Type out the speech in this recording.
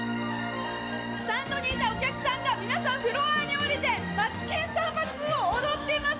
「スタンドにいたお客さんが皆さんフロアに下りて『マツケンサンバⅡ』を踊っています」